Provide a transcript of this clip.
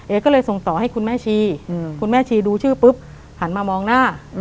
ก็เลยส่งต่อให้คุณแม่ชีคุณแม่ชีดูชื่อปุ๊บหันมามองหน้า